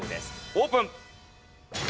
オープン。